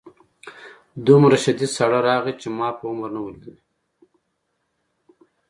دومره شدید ساړه راغی چې ما په عمر نه و لیدلی